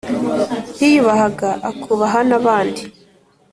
yiyubahaga akubaha nabandi.